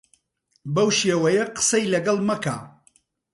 بەو شێوەیە قسەی لەگەڵ مەکە.